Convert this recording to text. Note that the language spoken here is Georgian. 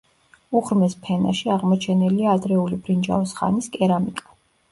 უღრმეს ფენაში აღმოჩენილია ადრეული ბრინჯაოს ხანის კერამიკა.